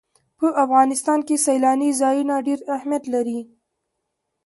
په افغانستان کې سیلانی ځایونه ډېر اهمیت لري.